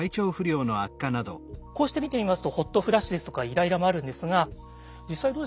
こうして見てみますとホットフラッシュですとかイライラもあるんですが実際どうですか？